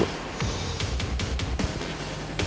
kalau soalnya itu lo serahin sama gue